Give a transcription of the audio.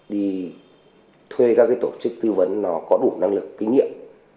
đi thuê các cái tổ chức tư vấn nó có đủ năng lực kinh nghiệm